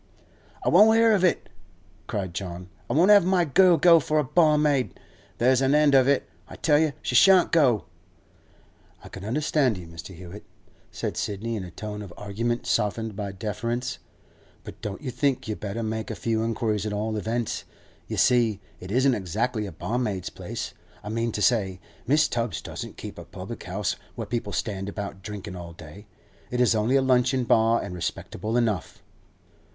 'I won't hear of it:' cried John. 'I won't have my girl go for a barmaid, so there's an end of it. I tell you she shan't go!' 'I can understand you, Mr. Hewett,' said Sidney, in a tone of argument softened by deference; 'but don't you think you'd better make a few inquiries, at all events? You see, it isn't exactly a barmaid's place. I mean to say, Mrs. Tubbs doesn't keep a public house where people stand about drinking all day. It is only a luncheon bar, and respectable enough.